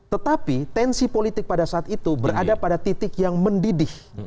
tetapi tensi politik pada saat itu berada pada titik yang mendidih